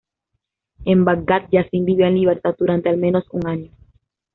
En Bagdad, Yasin vivió en libertad durante al menos un año.